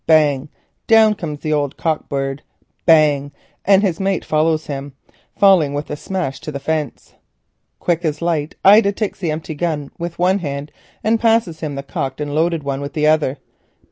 "Bang!" down comes the old cock bird; "bang!" and his mate follows him, falling with a smash into the fence. Quick as light Ida takes the empty gun with one hand, and as he swings round passes him the cocked and loaded one with the other.